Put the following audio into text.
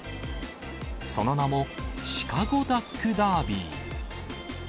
その名もシカゴ・ダック・ダービー。